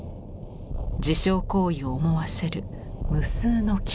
自傷行為を思わせる無数の傷。